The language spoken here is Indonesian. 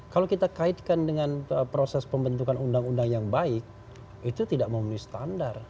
kalau kita kaitkan dengan proses pembentukan undang undang yang baik itu tidak memenuhi standar